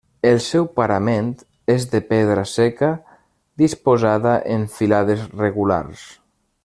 El seu parament és de pedra seca disposada en filades regulars.